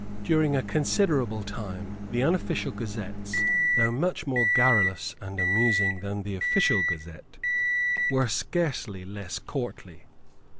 During a considerable time the unofficial gazettes, though much more garrulous and amusing than the official gazette, were scarcely less courtly.